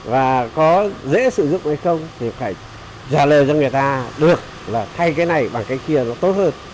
và có dễ sử dụng hay không thì phải trả lời cho người ta được là thay cái này bằng cái kia nó tốt hơn